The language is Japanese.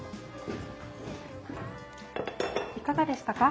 いかがでしたか？